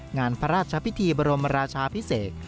งานพระราชพิธีบรมราชาพิเศษ